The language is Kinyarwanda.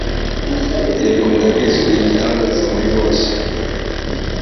Yego ndabizi urigitangaza muri bose